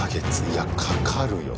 いやかかるよ